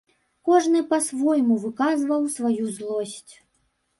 Кожны па-свойму выказваў сваю злосць.